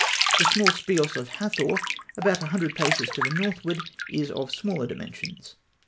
The small speos of Hathor, about a hundred paces to the northward, is of smaller dimensions.